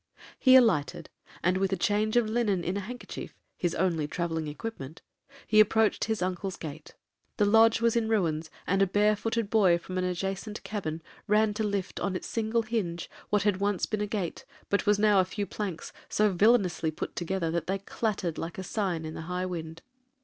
He alighted, and with a change of linen in a handkerchief, (his only travelling equipment), he approached his uncle's gate. The lodge was in ruins, and a barefooted boy from an adjacent cabin ran to lift on its single hinge what had once been a gate, but was now a few planks so villainously put together, that they clattered like a sign in a high wind.